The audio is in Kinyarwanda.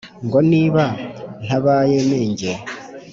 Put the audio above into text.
ngo niba ntabaye menge